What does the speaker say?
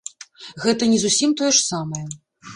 Гэта не зусім тое ж самае.